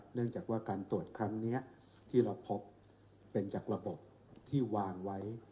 เนื่องจากว่าการตรวจครั้งนี้ที่เราพบเป็นจากระบบที่วางไว้